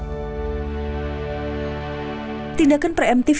tindakan preemptif yang dilakukan oleh masyarakat yang menyampaikan pendapat di muka umum